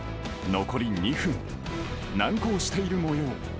残り２分、難航しているもよう。